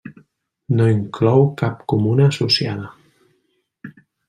No inclou cap comuna associada.